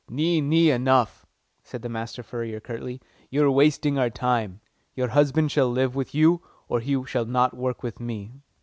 "Nee, nee, enough!" said the master furrier curtly. "You are wasting our time. Your husband shall live with you, or he shall not work with me."